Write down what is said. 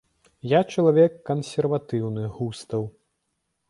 Я чалавек кансерватыўных густаў.